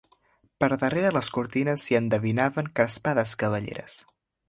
Per darrera les cortines s'hi endevinaven crespades cabelleres